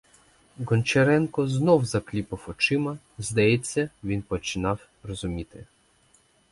Гончаренко знов закліпав очима, здається, він починав розуміти.